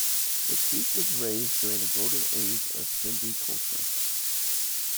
Latif was raised during the golden age of Sindhi culture.